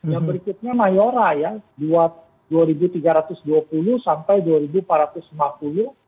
yang berikutnya mayora ya rp dua tiga ratus dua puluh sampai rp dua empat ratus dua puluh